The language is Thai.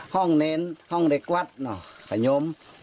ห้องเน้นห้องเด็กวัดเนอะขนยม